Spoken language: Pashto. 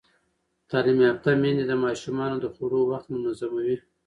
تعلیم یافته میندې د ماشومانو د خوړو وخت منظموي.